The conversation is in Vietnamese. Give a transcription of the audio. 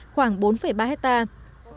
khoảng bốn ba hectare